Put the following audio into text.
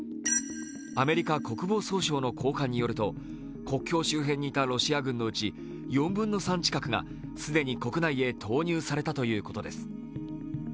アメリカ国防総省の高官によると、国境周辺にいたロシア軍のうち４分の３近くで既に国内へ投入されたということです。